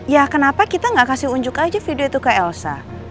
ya kenapa kita gak kasih unjuk aja video itu ke elsa